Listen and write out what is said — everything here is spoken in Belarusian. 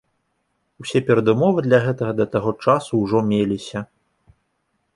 Усе перадумовы для гэтага да таго часу ўжо меліся.